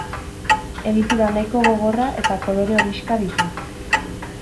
Egitura nahiko gogorra eta kolore horixka ditu.